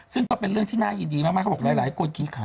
ซึ่งก็เป็นเรื่องที่น่าอีกมากเขาบอกว่าหลายคนคิดค่า